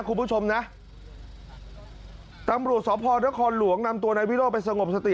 คุณผู้ชมนะตำรวจสพนครหลวงนำตัวนายวิโรธไปสงบสติ